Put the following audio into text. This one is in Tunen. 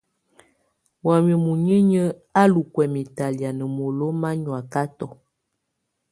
Wamɛ̀á munyinyǝ á lù kwɛ̀mɛ talɛ̀á ná molo ma nyɔakatɔ.